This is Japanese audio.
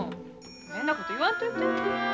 変なこと言わんといて。